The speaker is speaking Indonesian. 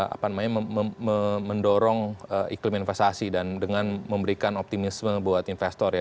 apa namanya mendorong iklim investasi dan dengan memberikan optimisme buat investor ya